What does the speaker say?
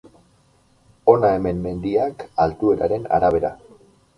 Hona hemen mendiak altueraren arabera.